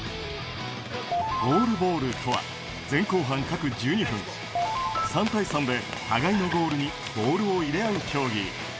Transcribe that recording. ゴールボールとは、前後半各１２分、３対３で互いのゴールにボールを入れ合う競技。